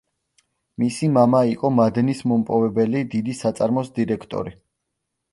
მისი მამა იყო მადნის მომპოვებელი დიდი საწარმოს დირექტორი.